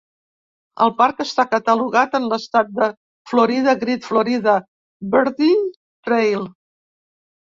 El parc està catalogat en l'estat de Florida Great Florida Birding Trail